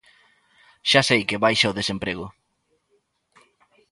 Xa sei que baixa o desemprego.